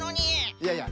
いやいや！